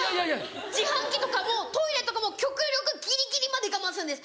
自販機とかもトイレとかも極力ギリギリまで我慢するんです。